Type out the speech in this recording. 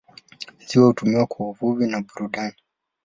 Ziwa hutumiwa kwa uvuvi na burudani.